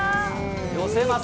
寄せます。